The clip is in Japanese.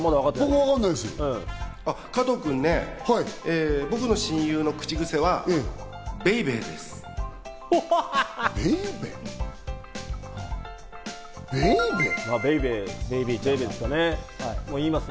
加藤君、僕の親友の口癖はベイベーです。